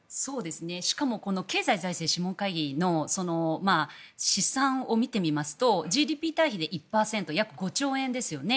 しかも経済財政諮問会議の試算を見てみますとＧＤＰ対比で１％約５兆円ですよね。